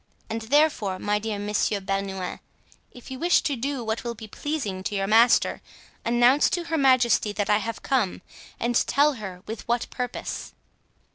And therefore, my dear Monsieur Bernouin, if you wish to do what will be pleasing to your master, announce to her majesty that I have come, and tell her with what purpose."